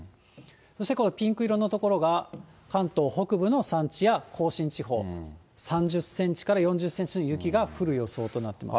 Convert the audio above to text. そしてこのピンク色の所は関東北部の山地や甲信地方、３０センチから４０センチの雪が降る予想となっています。